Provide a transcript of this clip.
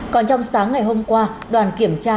còn trong sáng ngày hôm qua đoàn kiểm tra